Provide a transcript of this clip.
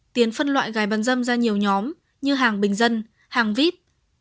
tiến phân loại gái bán dâm ra nhiều nhóm như hàng bình dân hàng vip